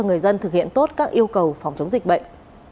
người dân thực hiện tốt các yêu cầu phòng chống dịch bệnh